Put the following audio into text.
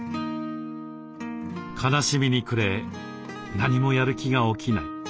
悲しみに暮れ何もやる気が起きない。